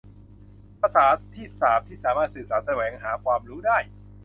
ภาษาที่สามที่สามารถสื่อสารแสวงหาความรู้ได้